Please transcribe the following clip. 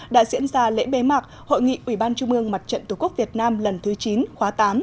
đã diễn ra lễ bế mạc hội nghị ubnd mặt trận tổ quốc việt nam lần thứ chín khóa tám